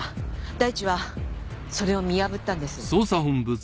大地はそれを見破ったんです。